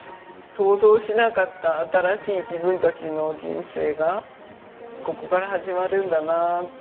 想像しなかった新しい自分たちの人生がここから始まるんだなって。